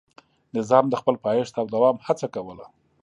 نظام د خپل پایښت او دوام هڅه کوله.